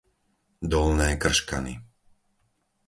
Dolné Krškany